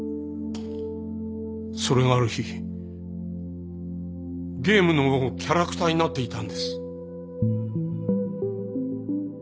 それがある日ゲームのキャラクターになっていたんです。